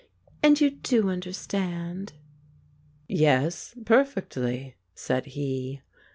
"And you do understand?" "Yes, perfectly," said he.